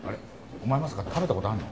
お前まさか食べた事あるの？